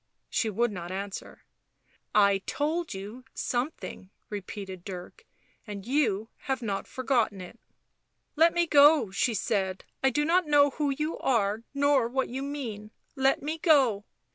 She would not answer. " I told you something," repeated Dirk. " And you have not forgotten it." " Let me go," she said. " I do not know who you are nor what you mean. Let me go."